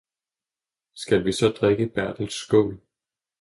Skal vi så drikke Bertels skål!